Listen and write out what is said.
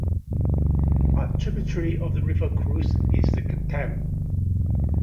A tributary of the river Creuse is the Gartempe.